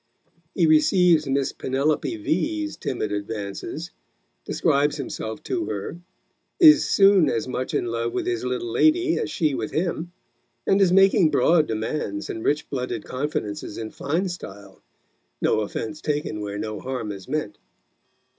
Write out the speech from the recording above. He receives Miss Penelope V 's timid advances, describes himself to her, is soon as much in love with his little lady as she with him, and is making broad demands and rich blooded confidences in fine style, no offence taken where no harm is meant.